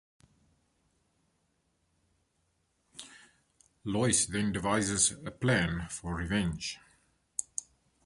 Lois then devises a plan for revenge.